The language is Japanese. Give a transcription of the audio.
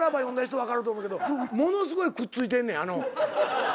読んだ人分かると思うけどものすごいくっついてんねん。